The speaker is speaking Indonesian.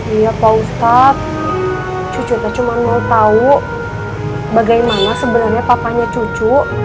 iya pak ustadz cucunya cuma mau tahu bagaimana sebenarnya papanya cucu